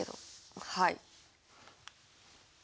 はい。